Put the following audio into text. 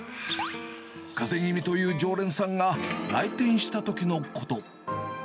かぜ気味という常連さんが来店したときのこと。